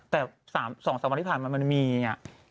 แต่๓วันไปผ่านมันมีอย่างเงี้ย